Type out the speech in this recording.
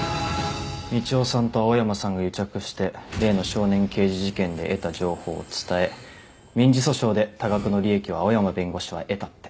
みちおさんと青山さんが癒着して例の少年刑事事件で得た情報を伝え民事訴訟で多額の利益を青山弁護士は得たって。